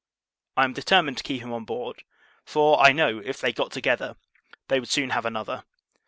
I am determined to keep him on board; for, I know, if they got together, they would soon have another.